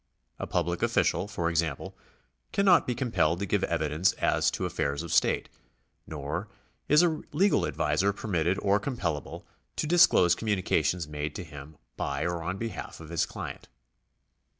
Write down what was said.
A public official, for example, cannot be compelled to give evidence as to affairs of state, nor is a legal adviser permitted or compellable to disclose communica tions made to him by or on behalf of his client.